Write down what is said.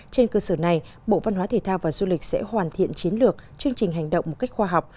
trên cơ sở này bộ văn hóa thể thao và du lịch sẽ hoàn thiện chiến lược chương trình hành động một cách khoa học